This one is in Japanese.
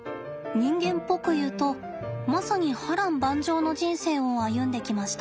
人間っぽくいうとまさに波乱万丈の人生を歩んできました。